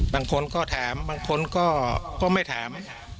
บางคนก็ถามบางคนก็ไม่ถาม